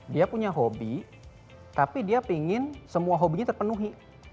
dia punya hobi tapi dia ingin semua hobinya terpenuhi